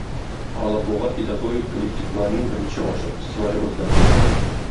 Алабугада педагогик коллективларның беренче ачык фестивале узды